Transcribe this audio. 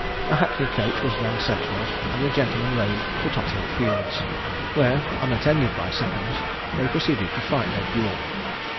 A hackney coach was then sent for, and the gentlemen rode to Tothill Fields, where, unattended by seconds, they proceeded to fight their duel.